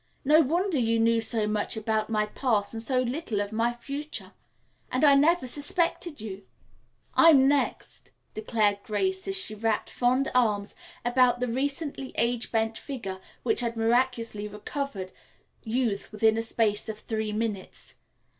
"No wonder you knew so much about my past and so little of my future. And I never even suspected you." "I'm next," declared Grace as she wrapped fond arms about the recently age bent figure which had miraculously recovered youth within a space of three minutes.